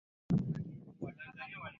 na sisemi hivi kutafuta sababu